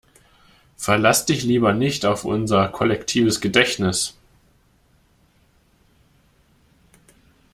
Verlass dich lieber nicht auf unser kollektives Gedächtnis!